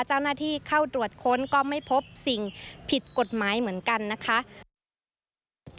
เจ้าหน้าที่เข้าตรวจค้นก็ไม่พบสิ่งผิดกฎหมายเหมือนกันนะคะ